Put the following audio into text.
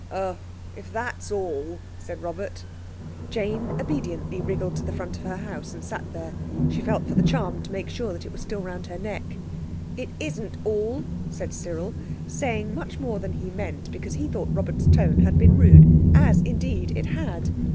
"Oh, if that's all," said Robert. Jane obediently wriggled to the front of her house and sat there. She felt for the charm, to make sure that it was still round her neck. "It isn't all," said Cyril, saying much more than he meant because he thought Robert's tone had been rude—as indeed it had.